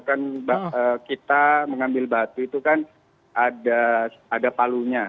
dan kita mengambil batu itu kan ada palunya